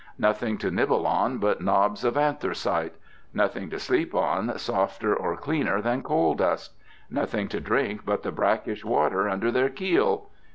Nothing to nibble on but knobs of anthracite. Nothing to sleep on softer or cleaner than coal dust. Nothing to drink but the brackish water under their keel.